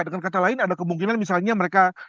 dengan kata lain ada kemungkinan misalnya mereka